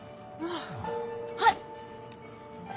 あぁはい！